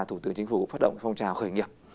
thủ tướng chính phủ phát động phong trào khởi nghiệp